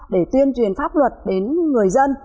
để tuyên truyền pháp luật đến người dân